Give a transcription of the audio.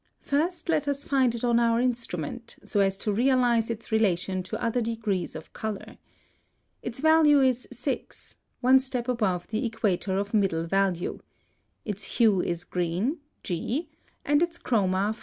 First let us find it on our instrument, so as to realize its relation to other degrees of color. Its value is 6, one step above the equator of middle value. Its hue is green, G, and its chroma 5.